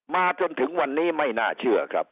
มาถึงวันนี้ไม่น่าเชื่อครับ